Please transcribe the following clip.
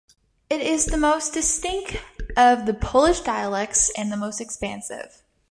It is the most distinct of the Polish dialects and the most expansive.